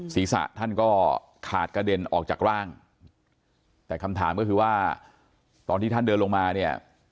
ศีรษะท่านก็ขาดกระเด็นออกจากร่างแต่คำถามก็คือว่าตอนที่ท่านเดินลงมาเนี่ย